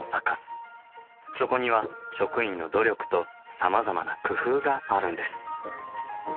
そこには職員の努力とさまざまな工夫があるんです。